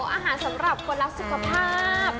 อาหารสำหรับคนรักสุขภาพ